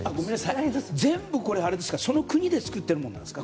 全部、その国で作っているものなんですか？